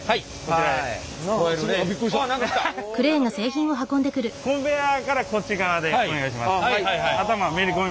ちょっとこのコンベヤーからこっち側でお願いします。